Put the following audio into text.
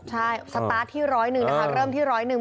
ใช่สตาร์ทที่๑๐๐นะคะ